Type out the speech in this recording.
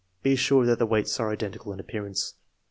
Be sure that the weights are identical in appearance.